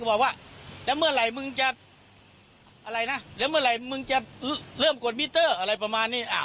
ก็บอกว่าแล้วเมื่อไหร่มึงจะเริ่มกดมิเตอร์อะไรประมาณนี้